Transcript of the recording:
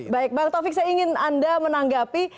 baik bang taufik saya ingin anda menanggapi